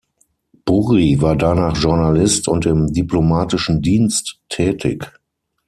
Burri war danach Journalist und im diplomatischen Dienst tätig.